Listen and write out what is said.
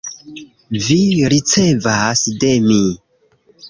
Vi ricevas de mi